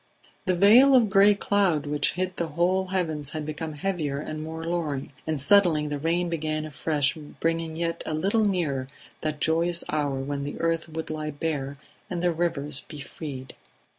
The veil of gray cloud which hid the whole heavens had become heavier and more louring, and suddenly the rain began afresh, bringing yet a little nearer that joyous hour when the earth would lie bare and the rivers be freed.